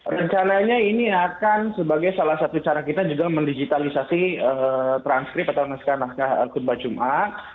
rencananya ini akan sebagai salah satu cara kita juga mendigitalisasi transkrip atau naskah naskah khutbah jumat